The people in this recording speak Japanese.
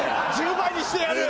１０倍にしてやる！